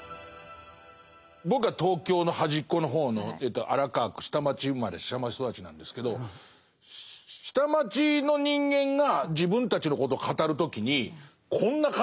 僕は東京の端っこの方の荒川区下町生まれ下町育ちなんですけど下町の人間が自分たちのことを語る時にこんな感じのこと言いますかね。